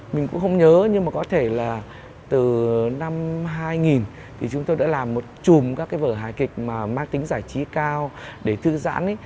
mình cũng không nhớ nhưng mà có thể là từ năm hai nghìn thì chúng tôi đã làm một chùm các cái vở hài kịch mà mang tính giải trí cao để thư giãn